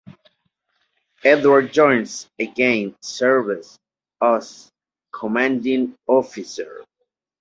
Edward Jones again served as commanding officer.